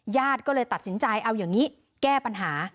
ญาติก็เลยตัดสินใจเอาอย่างนี้แก้ปัญหา